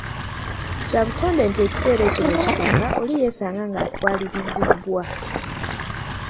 Kya butonde nti ekiseera ekyo bwe kituuka oli yeesanga nga atwalirizibbwa.